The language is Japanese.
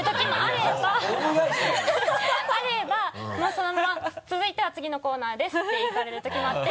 そのまま「続いては次のコーナーです」っていかれるときもあって。